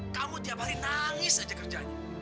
kamu tiap hari nangis aja kerjanya